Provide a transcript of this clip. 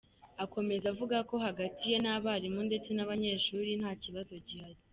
Akomeza avuga ko hagati ye n’abarimu ndetse n’abanyeshuri nta kibazo gihari.